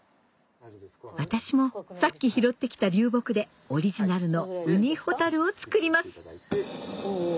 私もさっき拾ってきた流木でオリジナルのウニホタルを作ります